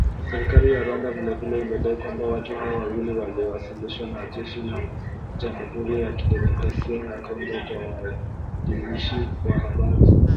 Serikali ya Rwanda vile vile imedai kwamba watu hao wawili walioasilishwa na jeshi la Jamuhuri ya Kidemokrasia ya Congo kwa waandishi wa habari